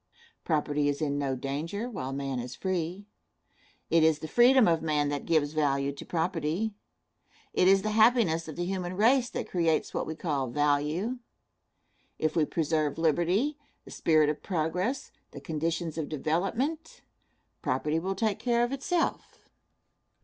Property is in no danger while man is free. It is the freedom of man that gives value to property. It is the happiness of the human race that creates what we call value. If we preserve liberty, the spirit of progress, the conditions of development, property will take care of itself.